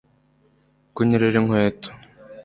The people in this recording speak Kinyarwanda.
Kunyerera inkweto